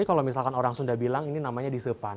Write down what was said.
jadi kalau misalkan orang sunda bilang ini namanya disepan